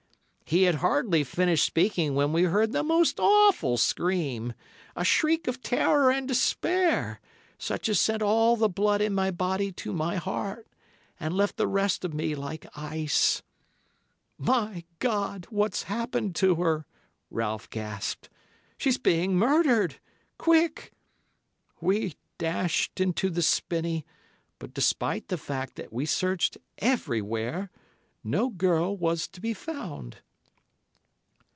He had hardly finished speaking when we heard the most awful scream, a shriek of terror and despair, such as sent all the blood in my body to my heart, and left the rest of me like ice. "'My God! What's happened to her?' Ralph gasped. 'She's being murdered. Quick!' We dashed into the spinney, but despite the fact that we searched everywhere, no girl was to be found.